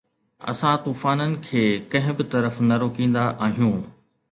اسان طوفانن کي ڪنهن به طرف نه روڪيندا آهيون